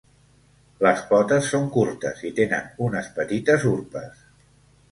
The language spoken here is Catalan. Les potes són curtes i tenen unes petites urpes.